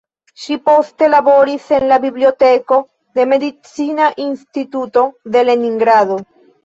Ŝi poste laboris en la biblioteko de la Medicina Instituto de Leningrado.